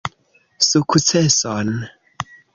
Sukceson!